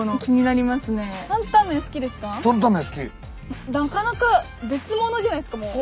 なかなか別物じゃないですかもう。